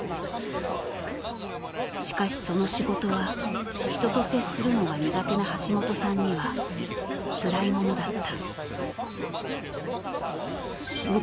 しかしその仕事は人と接するのが苦手な橋本さんにはつらいものだった。